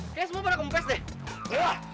oke semua pada gempes deh